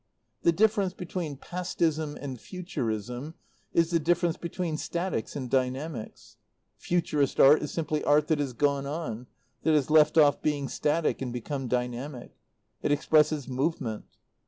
The difference between Pastism and Futurism is the difference between statics and dynamics. Futurist art is simply art that has gone on, that, has left off being static and become dynamic. It expresses movement.